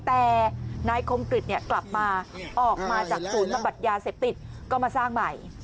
แต่นายคมกริจกลับมาออกมาจากศูนย์บำบัดยาเสพติดก็มาสร้างใหม่